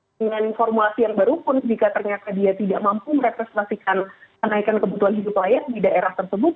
dengan formulasi yang baru pun jika ternyata dia tidak mampu merepresentasikan kenaikan kebutuhan hidup layak di daerah tersebut